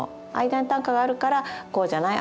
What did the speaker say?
間に短歌があるからこうじゃない？